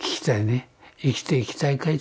生きていきたいかい？